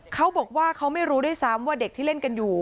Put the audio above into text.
เขาบอกว่าเขาไม่รู้ด้วยซ้ำว่าเด็กที่เล่นกันอยู่